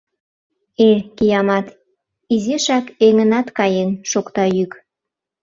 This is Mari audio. «Э, киямат, изишак эҥынат каен», — шокта йӱк.